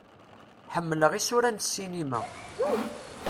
Ḥemmleɣ isura n ssinima.